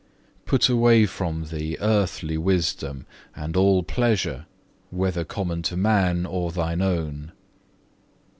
Put away from thee earthly wisdom, and all pleasure, whether common to men, or thine own.